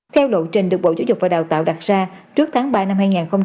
theo lộ trình được bộ giáo dục và đào tạo đặt ra trước tháng ba năm hai nghìn hai mươi